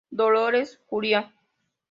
Dolores Curia.